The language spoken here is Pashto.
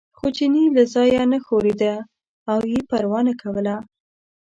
خو چیني له ځایه نه ښورېده او یې پروا نه کوله.